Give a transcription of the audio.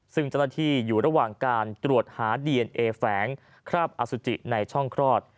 ซึ่งเจ้าหน้าที่อยู่ระหว่างการตรวจหาดีเอนเอแฝงคราบอสุจิในช่องคลอด